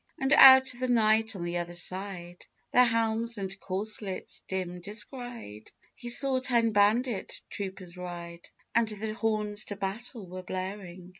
And out of the night on the other side, Their helms and corselets dim descried, He saw ten bandit troopers ride, And the horns to battle were blaring.